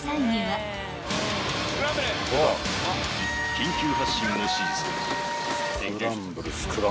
「緊急発進を指示する」